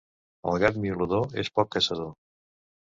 El gat miolador és poc caçador.